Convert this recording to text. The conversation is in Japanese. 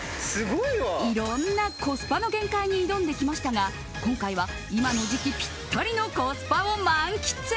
いろんなコスパの限界に挑んできましたが今回は今の時期にぴったりのコスパを満喫。